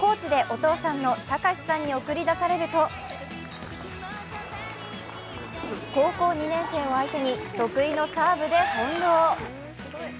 コーチでお父さんの卓司さんに送り出されると、高校２年生を相手に得意のサーブで翻弄。